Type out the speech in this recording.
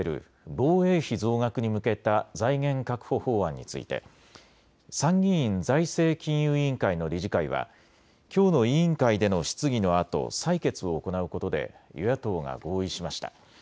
防衛費増額に向けた財源確保法案について参議院財政金融委員会の理事会はきょうの委員会での質疑のあと採決を行うことで与野党が合意しました。